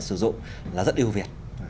sử dụng là rất ưu việt